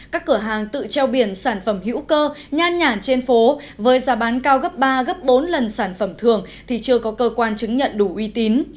các cửa hàng tự treo biển sản phẩm hữu cơ nhan nhản trên phố với giá bán cao gấp ba gấp bốn lần sản phẩm thường thì chưa có cơ quan chứng nhận đủ uy tín